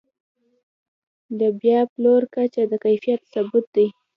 د بیا پلور کچه د کیفیت ثبوت دی.